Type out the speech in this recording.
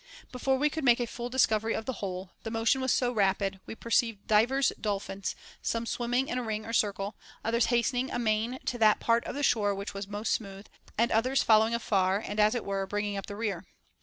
Before we could make a full discovery of the whole, the motion was so rapid, we per ceived divers dolphins, some swimming in a ring or circle, others hastening amain to that part of the shore which was most smooth, and others following after and (as it were) bringing up the rear.